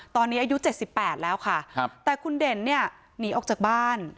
ตอนนี้อายุเจ็ดสิบแปดแล้วค่ะแต่คุณเด่นเนี่ยหนีออกจากบ้าน